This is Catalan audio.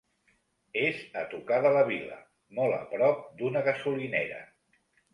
És a tocar de la vila, molt a prop d'una gasolinera.